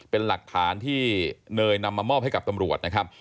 เป็นหลักฐานที่เนยนำมามอบให้กับตำรวจนะครับ